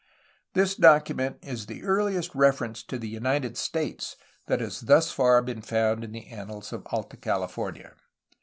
This document is the earliest reference to the United States that has thus far been found in the annals of Alta California.